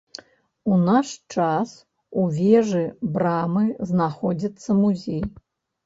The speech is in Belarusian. У наш час у вежы брамы знаходзіцца музей.